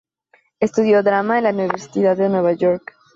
Estudió drama en la Universidad de Nueva York.